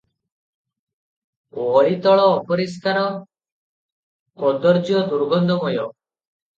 ଓଳିତଳ ଅପରିଷ୍କାର, କଦର୍ଯ୍ୟ, ଦୁର୍ଗନ୍ଧମୟ ।